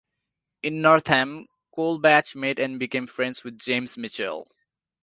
In Northam, Colebatch met and became friends with James Mitchell.